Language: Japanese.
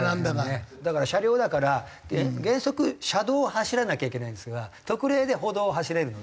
だから車両だから原則車道を走らなきゃいけないんですが特例で歩道を走れるので。